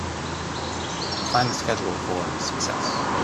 Find the schedule for Success.